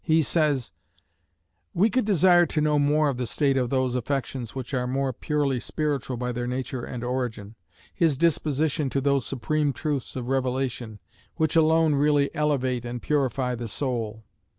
He says: We could desire to know more of the state of those affections which are more purely spiritual by their nature and origin his disposition to those supreme truths of Revelation, which alone really elevate and purify the soul.